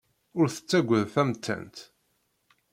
Ur tettagad tamettant.